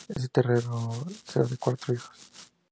Él es el tercero de cuatro hijos.